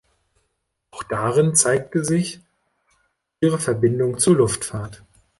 Auch darin zeigte sich ihre Verbindung zur Luftfahrt.